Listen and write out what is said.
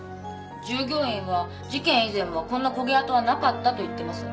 従業員は事件以前はこんな焦げ跡はなかったと言ってます。